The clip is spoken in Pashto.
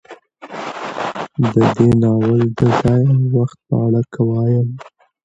د دې ناول د ځاى او وخت په اړه که وايم